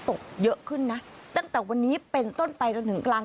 ตกเยอะขึ้นนะตั้งแต่วันนี้เป็นต้นไปจนถึงกลาง